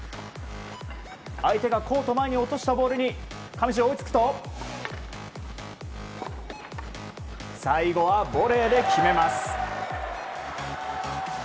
相手がコート前に落としたボールに上地、追いつくと最後はボレーで決めます。